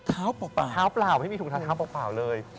เท้าเปล่าไม่มีถุงเท้าเปล่าเลย